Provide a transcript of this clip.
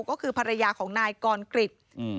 ก็คือภรรยาของนายกรกฤษ